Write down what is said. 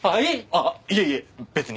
あっいえいえ別に。